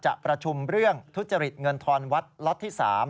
จะประชุมเรื่องทุจริตเงินทอนวัดล็อตที่๓